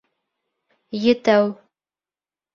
Етәү